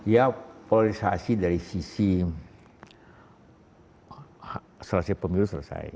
ya polarisasi dari sisi selesai pemilu selesai